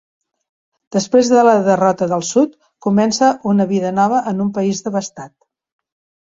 Després de la derrota del sud comença una vida nova en un país devastat.